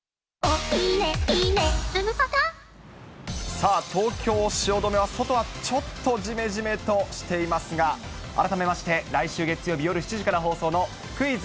さあ、東京・汐留は、外はちょっとじめじめとしていますが、改めまして来週月曜日夜７時から放送のクイズ！